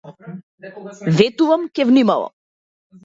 Ветувам, ќе внимавам!